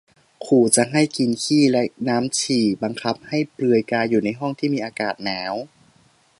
ขู่จะให้ 'กินขี้' และ 'น้ำฉี่' บังคับให้เปลือยกายอยู่ในห้องที่มีอากาศหนาว